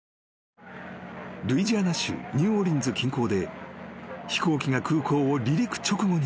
［ルイジアナ州ニューオーリンズ近郊で飛行機が空港を離陸直後に墜落］